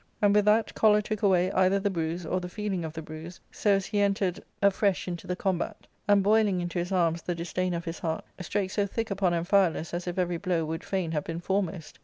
And with that choler took away either the bruise or the feeling of the bruise, so as he entered afresh into the combat, and, boiling into his arms the disdain of his heart, strake so thick upon Amphialus as if every blow would fain have been foremost.